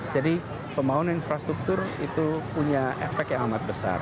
jadi pembangunan infrastruktur itu punya efek yang amat besar